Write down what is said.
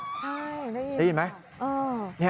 ใช่ได้ยินค่ะเออได้ยินไหม